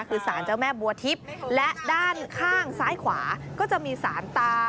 คือสารเจ้าแม่บัวทิพย์และด้านข้างซ้ายขวาก็จะมีสารตา